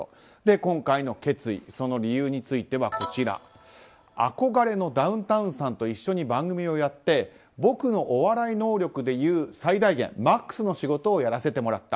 今回の決意、その理由については憧れのダウンタウンさんと一緒に番組をやって僕のお笑い能力で言う最大限マックスの仕事をやらせてもらった。